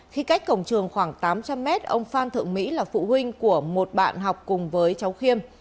khi cách cổng trường khoảng tám trăm linh mét ông phan thượng mỹ là phụ huynh của một bạn học cùng với cháu khiêm